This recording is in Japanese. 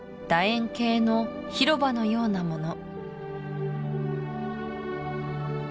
円形の広場のようなもの